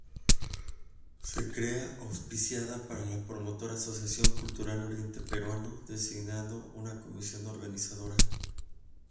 Se crea auspiciada por la promotora Asociación Cultural Oriente Peruano, designando una Comisión Organizadora.